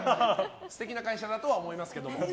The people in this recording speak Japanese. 素敵な会社だとは思いますけど。